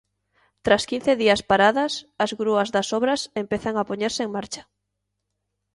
Tras quince días paradas, as grúas das obras empezan a poñerse en marcha.